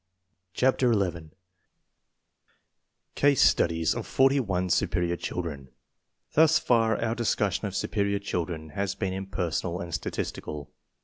CHAPTER XI CASE STUDIES OP FORTY ONE SUPERIOR CHILDREN THUS far our discussion of superior children has been impersonal and statistical.